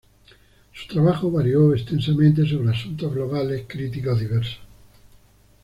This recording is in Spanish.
Su trabajo varió extensamente sobre asuntos globales críticos diversos.